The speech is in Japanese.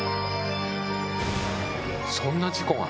そんな事故が？